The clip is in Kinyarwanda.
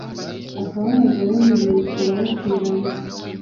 Akababaje ababiri karabateranya.